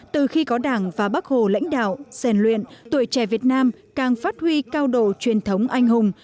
từ khi có đảng và bác hồ lãnh đạo rèn luyện tuổi trẻ việt nam càng phát huy cao độ truyền thống anh hùng